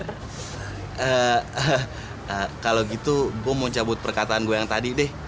eee kalo gitu gua mau cabut perkataan gua yang tadi deh